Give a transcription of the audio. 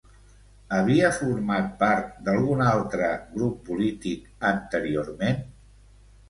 Havia format part d'algun altre grup polític anteriorment?